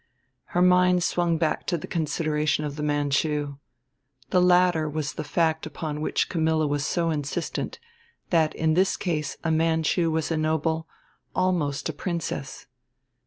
Her mind swung back to the consideration of the Manchu: The latter was the fact upon which Camilla was so insistent, that in this case a Manchu was a noble, almost a princess.